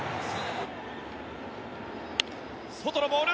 外のボール